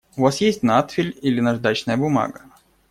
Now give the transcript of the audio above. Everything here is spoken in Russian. У вас есть надфиль или наждачная бумага?